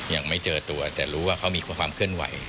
ยังไม่เจอตัวแต่รู้ว่าเขามีความเคลื่อนไหว